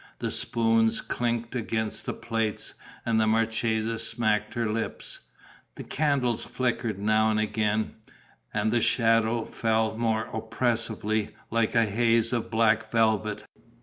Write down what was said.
The spoons clinked against the plates and the marchesa smacked her lips. The candles flickered now and again; and the shadow fell more oppressively, like a haze of black velvet.